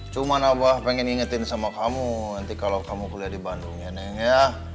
cuma abah pengen ingetin sama kamu nanti kalau kamu kuliah di bandung enak ya